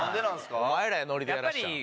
お前らやノリでやらしたの。